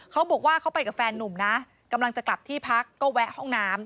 เขาบอกว่าเขาไปกับแฟนนุ่มนะกำลังจะกลับที่พักก็แวะห้องน้ำ